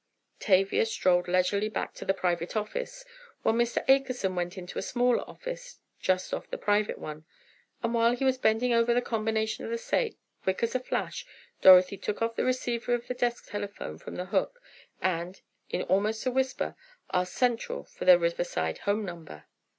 Tavia strolled leisurely back to the private office, while Mr. Akerson went into a smaller office just off the private one, and while he was bending over the combination of the safe, quick as a flash, Dorothy took off the receiver of the desk telephone from the hook, and, in almost a whisper, asked central for their Riverside home number.